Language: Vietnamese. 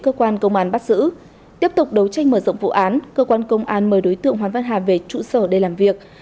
cơ quan công an bắt giữ tiếp tục đấu tranh mở rộng vụ án cơ quan công an mời đối tượng hoàng văn hà về trụ sở để làm việc